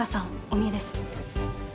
お見えです。